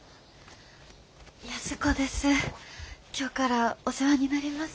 安子です。